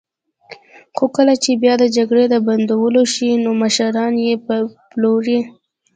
خو کله چې بیا د جګړې د بندولو شي، نو مشران یې پلوري.